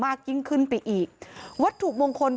เพราะทนายอันนันชายเดชาบอกว่าจะเป็นการเอาคืนยังไง